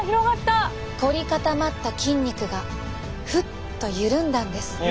凝り固まった筋肉がフッと緩んだんです。